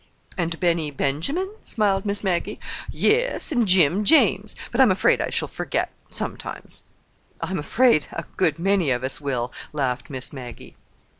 "And Benny 'Benjamin'?" smiled Miss Maggie. "Yes. And Jim 'James.' But I'm afraid I shall forget—sometimes." "I'm afraid—a good many of us will," laughed Miss Maggie.